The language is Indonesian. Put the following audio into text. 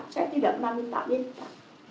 saya tidak pernah minta minta